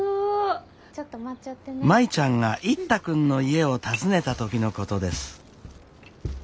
舞ちゃんが一太君の家を訪ねた時のことです。